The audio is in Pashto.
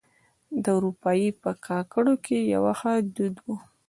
دراوۍ په کاکړو کې يو ښه دود وه.